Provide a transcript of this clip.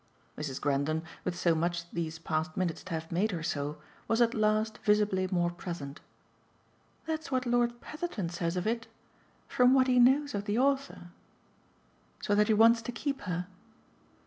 Mrs. Grendon, with so much these past minutes to have made her so, was at last visibly more present. "That's what Lord Petherton says of it. From what he knows of the author." "So that he wants to keep her